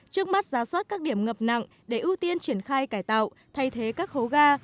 trước mắt giá soát các điểm ngập nặng để ưu tiên triển khai cải tạo thay thế các hố ga